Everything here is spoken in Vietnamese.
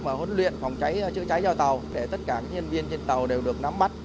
và huấn luyện phòng cháy chữa cháy cho tàu để tất cả các nhân viên trên tàu đều được nắm mắt